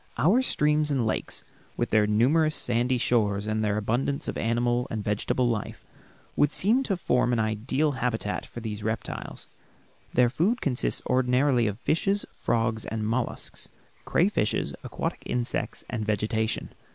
Our streams and lakes, with their numerous sandy shores, and their abundance of animal and vegetable life, would seem to form an ideal habitat for these reptiles. Their food consists ordinarily of fishes, frogs, and mollusks, crayfishes, aquatic insects, and vegetation.